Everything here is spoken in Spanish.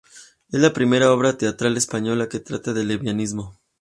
Es la primera obra teatral española que trata el lesbianismo.